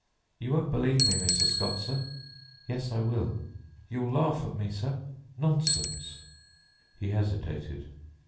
"You won't believe me, Mr. Scott, sir?" "Yes, I will." "You will lawf at me, sir?" "Nonsense!" He hesitated.